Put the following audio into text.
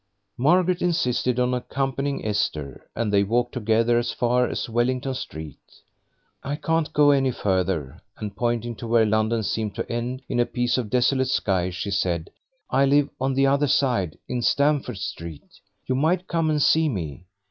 Margaret insisted on accompanying Esther, and they walked together as far as Wellington Street. "I can't go any further," and pointing to where London seemed to end in a piece of desolate sky, she said, "I live on the other side, in Stamford Street. You might come and see me.